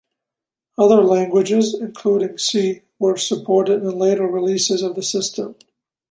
Other languages, including C, were supported in later releases of the system.